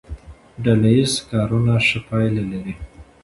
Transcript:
ډله ییز کارونه ښه پایله لري.